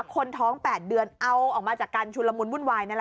คนท้อง๘เดือนเอาออกมาจากการชุนละมุนวุ่นวายนั่นแหละ